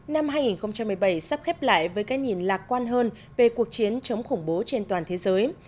năm hai nghìn một mươi bảy sắp khép lại với cái nhìn lạc quan hơn về cuộc chiến chống khủng bố trên toàn thế giới